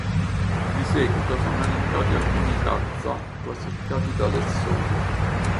Di seguito sono elencati alcuni taxa classificati da Lessona.